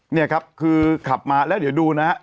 นี่ครับคือขับมาแล้วเดี๋ยวดูนะฮะ